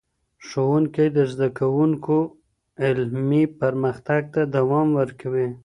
ښوونکی د زدهکوونکو علمي پرمختګ ته دوام ورکوي.